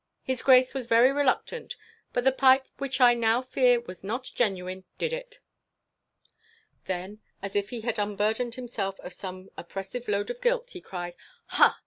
His Grace was very reluctant, but the pipe, which I now fear was not genuine, did it." Then, as if he had unburdened himself of some oppressive load of guilt, he cried, "Hah!